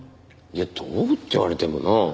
いやどうって言われてもな。